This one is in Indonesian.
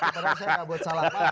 karena saya nggak buat salah